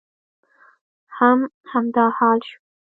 هم همدا حال شو.